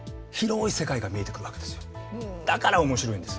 だから面白いんです。